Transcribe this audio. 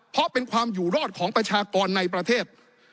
เพราะเป็นความอยู่รอดของประชากรในประเทศ